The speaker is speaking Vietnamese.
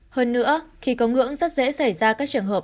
hơn nữa khi có ngưỡng rất dễ xảy ra các trường hợp